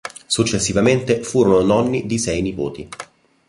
Successivamente, furono nonni di sei nipoti.